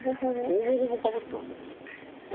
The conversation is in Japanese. ほぼほぼかぶってますね。